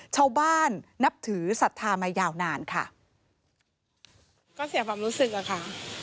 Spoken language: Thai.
เช่าบ้านนับถือสัตว์ธรรมะยาวนานค่ะก็เสียความรู้สึกอ่ะค่ะ